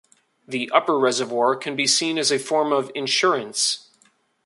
The "Upper" reservoir can be seen as a form of insurance.